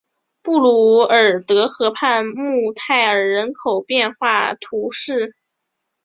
布卢尔德河畔穆泰尔人口变化图示